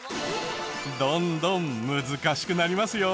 どんどん難しくなりますよ。